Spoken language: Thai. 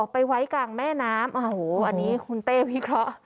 ไปไว้กลางแม่น้ำโอ้โหอันนี้คุณเต้วิเคราะห์